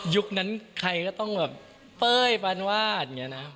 ยุคนั้นใครก็ต้องแบบเป้ยปันวาด